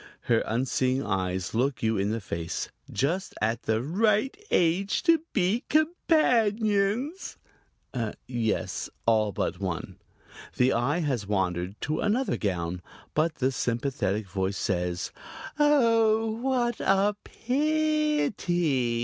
Her unseeing eyes look you in the face. "Just the right age to be companions." "Yes, all but one." The eye has wandered to another gown, but the sympathetic voice says: "Oh, what a pi i ty!"